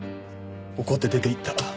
怒って出ていった。